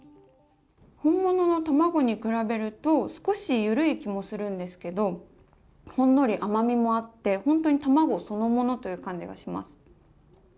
本物の卵に比べると少し緩い気もするんですけどほんのり甘みもあって本当に卵そのものという感じがします。